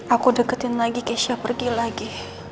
aku deketin lagi keisha pergi lagi